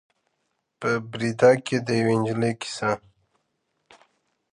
په بریده کې د یوې نجلۍ کیسه ده.